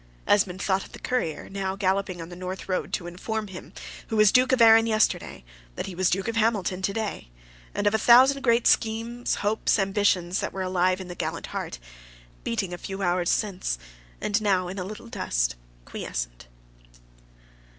Esmond thought of the courier, now galloping on the North road to inform him, who was Earl of Arran yesterday, that he was Duke of Hamilton to day, and of a thousand great schemes, hopes, ambitions, that were alive in the gallant heart, beating a few hours since, and now in a little dust quiescent.